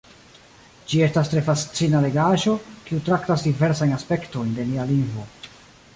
Ĝi estas tre fascina legaĵo, kiu traktas diversajn aspektojn de nia lingvo.